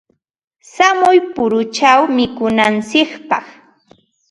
Shamuy puruchaw mikunantsikpaq.